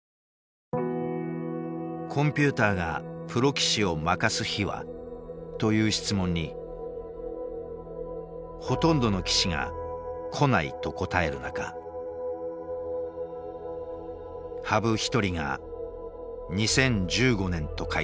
「コンピューターがプロ棋士を負かす日は？」という質問にほとんどの棋士が「来ない」と答える中羽生一人が「２０１５年」と回答した。